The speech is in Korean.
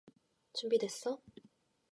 준비 됐어?